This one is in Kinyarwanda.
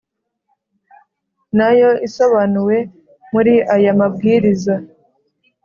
nayo isobanuwe muri aya mabwiriza